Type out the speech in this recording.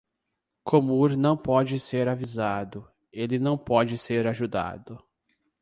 Komur não pode ser avisado, ele não pode ser ajudado.